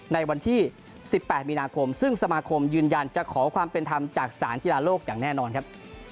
ในวันที่๑๘มีนาคมซึ่งสมาคมยืนยันจะขอความเป็นธรรมจากสารกีฬาโลกอย่างแน่นอนครับ